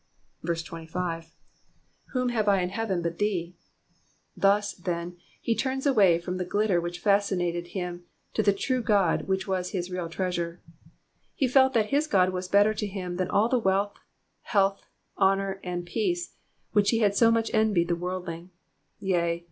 25. ^^W/iom have I in heaven hut theeV* Thus, then, he turns away from the glitter which fascinated him to the true gold which was his real treasure. He felt that his God was better to him than all the wealth, health, honour, and peace, which he had so much envied in the worldling ; yea.